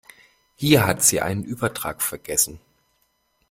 Hier hat sie einen Übertrag vergessen.